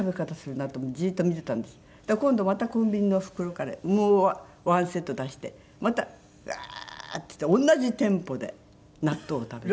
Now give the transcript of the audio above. そしたら今度またコンビニの袋からもう１セット出してまたガーッていって同じテンポで納豆を食べて。